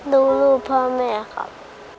ลูกพ่อแม่ครับ